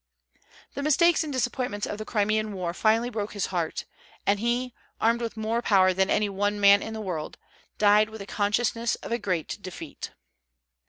The mistakes and disappointments of the Crimean war finally broke his heart; and he, armed with more power than any one man in the world, died with the consciousness of a great defeat.